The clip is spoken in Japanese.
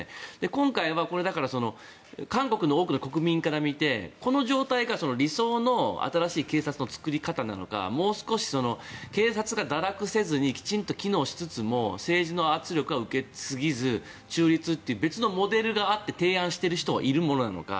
今回は韓国の多くの国民から見てこの状態が理想の新しい警察の作り方なのかもう少し、警察が堕落せずにきちんと機能しつつも政治の圧力は受けすぎず中立という別のモデルがあって提案している人はいるものなのか。